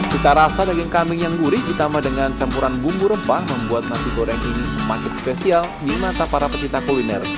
cita rasa daging kambing yang gurih ditambah dengan campuran bumbu rempah membuat nasi goreng ini semakin spesial di mata para pecinta kuliner